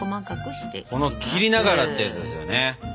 この切りながらってやつですよね。